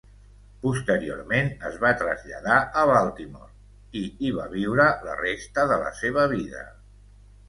Posteriorment es va traslladar a Baltimore i hi va viure la resta de la seva vida.